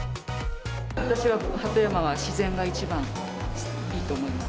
私は鳩山は自然が一番いいと思います。